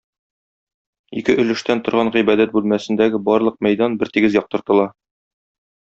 Ике өлештән торган гыйбадәт бүлмәсендәге барлык мәйдан бертигез яктыртыла.